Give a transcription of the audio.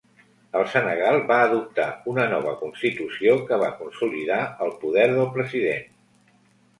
El Senegal va adoptar una nova constitució que va consolidar el poder del president.